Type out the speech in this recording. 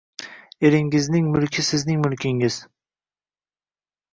Eringizning mulki sizning mulkingiz.